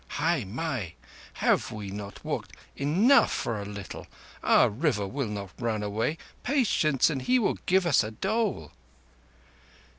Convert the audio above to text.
"Hai mai! Have we not walked enough for a little? Our River will not run away. Patience, and he will give us a dole."